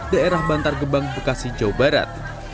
daerah bantar gebang bekasi jawa barat